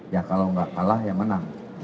ya kalau nggak kalah ya menang